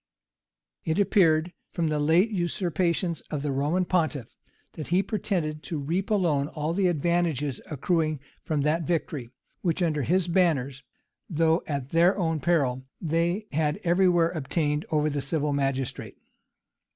It appeared, from the late usurpations of the Roman pontiff, that he pretended to reap alone all the advantages accruing from that victory, which under his banners, though at their own peril, they had every where obtained over the civil magistrate.